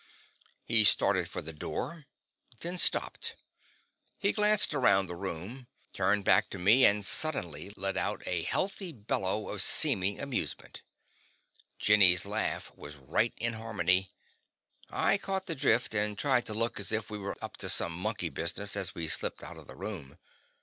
Hal started for the door, then stopped. He glanced around the room, turned back to me, and suddenly let out a healthy bellow of seeming amusement. Jenny's laugh was right in harmony. I caught the drift, and tried to look as if we were up to some monkey business as we slipped out of the room.